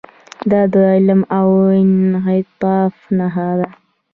دا د علم د انعطاف نښه ده.